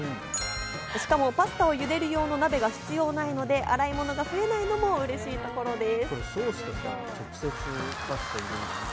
しかもパスタを茹でる用の鍋が必要ないので、洗い物が増えないのも嬉しいところです。